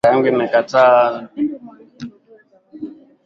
Ilionesha kuwa daftari hilo lilitumiwa sio muda mrefu